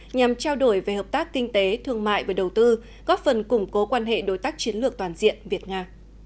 nhằm trao đổi về hợp tác kinh tế thương mại và đầu tư góp phần củng cố quan hệ đối tác chiến lược toàn diện việt nga